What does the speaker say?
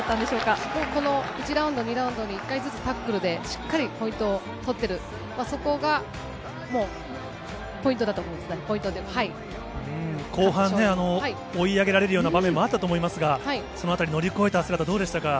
もうこの１ラウンド、２ラウンドに１回ずつタックルで、しっかりポイントを取ってる、後半、追い上げられるような場面もあったと思いますが、そのあたり乗り越えた姿、どうでしたか。